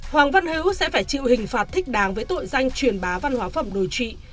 hoàng văn hữu sẽ phải chịu hình phạt thích đáng với tội danh truyền bá văn hóa phẩm đồi trị